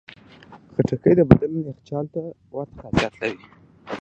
خټکی د بدن لپاره یخچال ته ورته خاصیت لري.